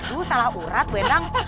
aduh salah urat bu enang